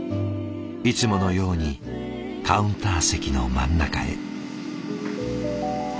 いつものようにカウンター席の真ん中へ。